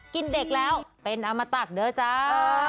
เด็กแล้วเป็นอมตักเด้อจ้า